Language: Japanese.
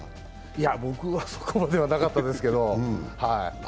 いや、僕はそこまではなかったですけど。